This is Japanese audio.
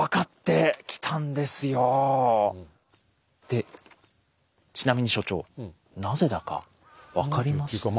でちなみに所長なぜだか分かりますか？